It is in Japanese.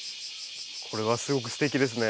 これはすごくステキですね。